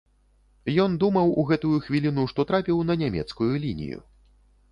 Ён думаў у гэтую хвіліну, што трапіў на нямецкую лінію.